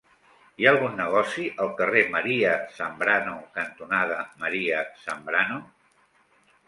Hi ha algun negoci al carrer María Zambrano cantonada María Zambrano?